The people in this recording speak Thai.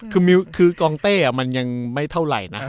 คือกองเต้มันยังไม่เท่าไหร่นะ